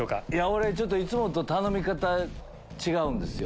俺いつもと頼み方違うんですよ。